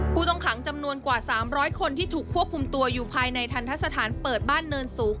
ผู้ต้องขังจำนวนกว่า๓๐๐คนที่ถูกควบคุมตัวอยู่ภายในทันทะสถานเปิดบ้านเนินสูง